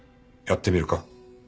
やってみるか？